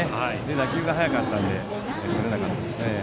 打球が速かったのでとれなかったです。